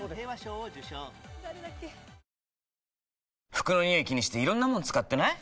服のニオイ気にしていろんなもの使ってない？